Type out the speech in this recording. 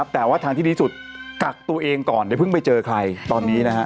แต่ว่าทางที่ดีสุดกักตัวเองก่อนอย่าเพิ่งไปเจอใครตอนนี้นะฮะ